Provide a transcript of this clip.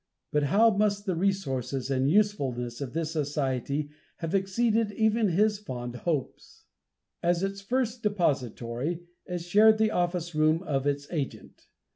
But how must the resources and usefulness of this society have exceeded even his fond hopes! As its first depository, it shared the office room of its agent.